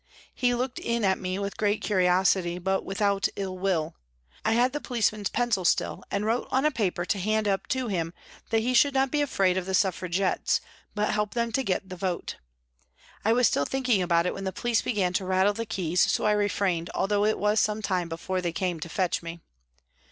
He looked in at me with great curiosity, but without ill will. I had the policeman's pencil still, and wrote on a paper to hand up to him that he should not be afraid of the Suffragettes, but help them to get the vote. I was still thinking about it when the police began to rattle the keys, so I refrained, although it was some time before they came to fetch me.